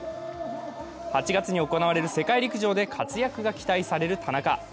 ８月に行われる世界陸上で活躍が期待される田中。